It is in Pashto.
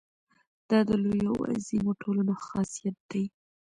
دا د لویو او عظیمو ټولنو خاصیت دی.